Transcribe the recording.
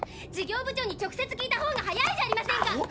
事業部長に直接聞いた方が早いじゃありませんか。